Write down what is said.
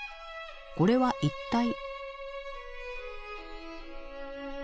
これは一体？